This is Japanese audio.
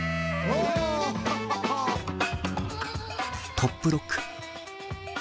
トップロック。